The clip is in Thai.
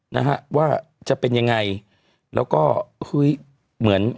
นะฮะว่าจะเป็นยังไงแล้วก็เฮ้ยเหมือน